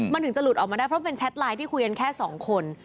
มันถึงจะหลุดออกมาได้เพราะเป็นแชทไลน์ที่คุยกันแค่สองคน